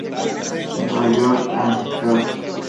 New York and Chicago".